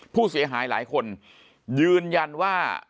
ผู้เสียหายหลายคนยืนยันว่า